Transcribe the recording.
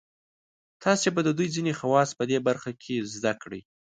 تاسې به د دوی ځینې خواص په دې برخه کې زده کړئ.